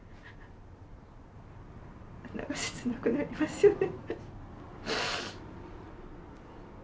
なんか切なくなりますよね。